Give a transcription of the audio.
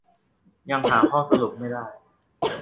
ยังหาข้อสรุปไม่ได้